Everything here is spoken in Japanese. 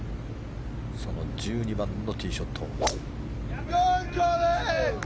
１２番目のティーショット。